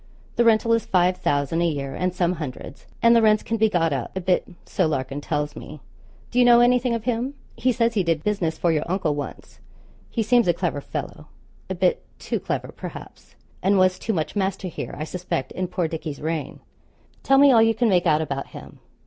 The rental is five thousand a year and some hundreds, and the rents can be got up a bit so Larkin tells me. Do you know anything of him? He says he did business for your uncle once. He seems a clever fellow a bit too clever, perhaps and was too much master here, I suspect, in poor Dickie's reign. Tell me all you can make out about him.